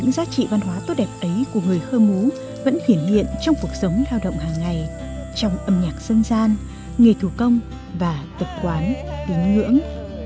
người khơ mú vẫn hiện hiện trong cuộc sống lao động hàng ngày trong âm nhạc dân gian nghề thủ công và tập quán tín ngưỡng